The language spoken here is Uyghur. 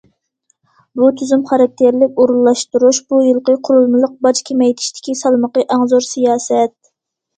بۇ تۈزۈم خاراكتېرلىك ئورۇنلاشتۇرۇش بۇ يىلقى قۇرۇلمىلىق باج كېمەيتىشتىكى سالمىقى ئەڭ زور سىياسەت.